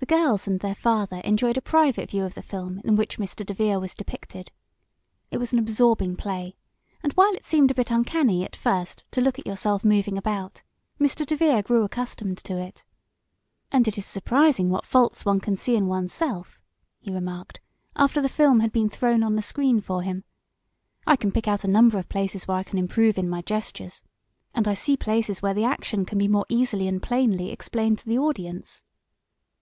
The girls and their father enjoyed a private view of the film in which Mr. DeVere was depicted. It was an absorbing play, and while it seemed a bit uncanny, at first, to look at yourself moving about, Mr. DeVere grew accustomed to it. "And it is surprising what faults one can see in onesself," he remarked, after the film had been thrown on the screen for him. "I can pick out a number of places where I can improve in my gestures. And I see places where the action can be more easily and plainly explained to the audience."